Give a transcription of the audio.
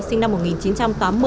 sinh năm một nghìn chín trăm tám mươi